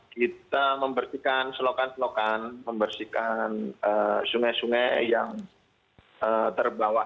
kita membersihkan selokan selokan membersihkan sungai sungai yang terbawa